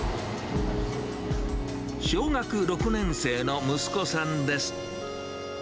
小学６年生の息子さんです。